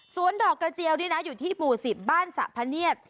ดอกกระเจียวนี่นะอยู่ที่หมู่๑๐บ้านสะพะเนียด